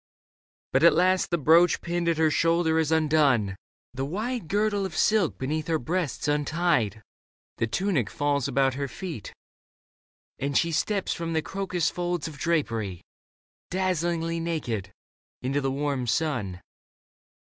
But at last the brooch Pinned at her shoulder is undone, the wide Girdle of silk beneath her breasts untied ; The tunic falls about her feet, and she Leda Steps from the crocus folds of drapery, Dazzlingly naked, into the warm sun.